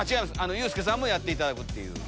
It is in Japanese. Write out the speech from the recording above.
ユースケさんもやっていただく。